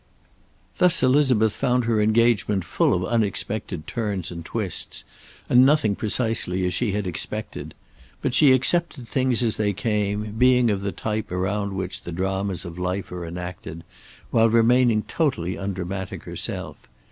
Thus Elizabeth found her engagement full of unexpected turns and twists, and nothing precisely as she had expected. But she accepted things as they came, being of the type around which the dramas of life are enacted, while remaining totally undramatic herself.